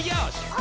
「お！」